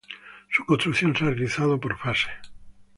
Su construcción se ha realizado por fases.